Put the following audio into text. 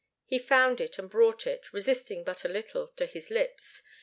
He found it and brought it, resisting but a little, to his lips.